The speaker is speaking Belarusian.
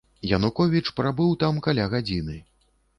Януковіч прабыў там каля гадзіны.